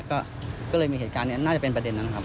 ก็เลยมีเหตุการณ์นี้น่าจะเป็นประเด็นนั้นครับ